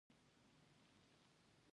• ونه حیواناتو ته خوراک برابروي.